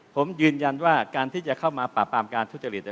ผมยืนยันว่าการที่จะเข้ามาปราบปรามการทุจริต